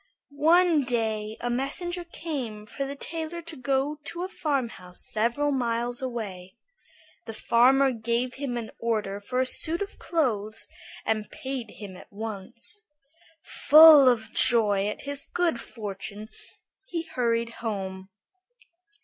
One day a message came for the tailor to go to a farmhouse several miles away. The farmer gave him an order for a suit of clothes, and paid him at once. Full of joy at his good fortune, he hurried home.